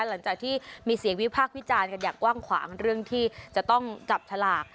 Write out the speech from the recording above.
หลังจากที่มีเสียงวิพากษ์วิจารณ์กันอย่างกว้างขวางเรื่องที่จะต้องจับฉลาก